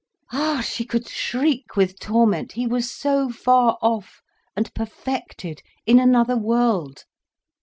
Ah, she could shriek with torment, he was so far off, and perfected, in another world.